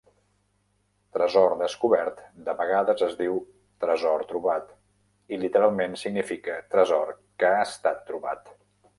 "Tresor descobert" de vegades es diu "tresor trobat" i literalment significa "tresor que ha estat trobat".